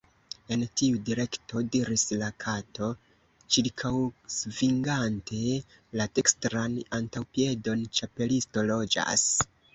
"En tiu direkto," diris la Kato, ĉirkaŭsvingante la dekstran antaŭpiedon, "Ĉapelisto loĝas. »